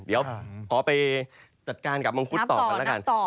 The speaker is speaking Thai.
เดี๋ยวขอไปจัดการกับมังคุดต่อกันแล้วกัน